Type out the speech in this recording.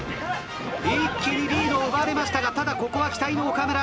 一気にリードを奪われましたがただここは期待の岡村。